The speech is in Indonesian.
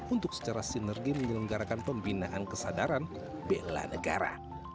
untuk secara sinergi menyelenggarakan pembinaan kesadaran bela negara